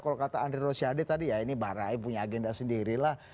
kalau kata andre rosiade tadi ya ini barah punya agenda sendirilah